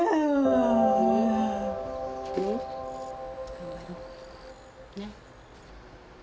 頑張ろう、ね。